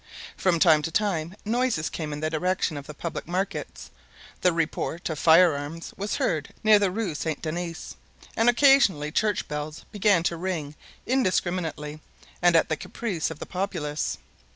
From time to time noises came in the direction of the public markets. The report of firearms was heard near the Rue Saint Denis and occasionally church bells began to ring indiscriminately and at the caprice of the populace.